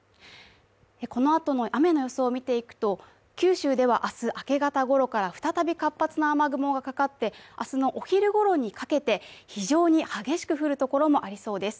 このあとの雨の予想を見ていくと、九州では明日明け方ごろから再び活発な雨雲がかかって、明日のお昼ごろにかけて非常に激しく降るところもありそうです。